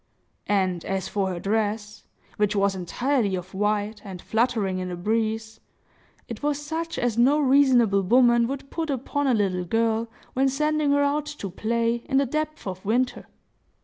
And as for her dress, which was entirely of white, and fluttering in the breeze, it was such as no reasonable woman would put upon a little girl, when sending her out to play, in the depth of winter.